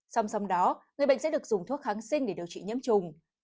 xong xong đó người bệnh sẽ được dùng thuốc kháng sinh để điều trị nhiễm trùng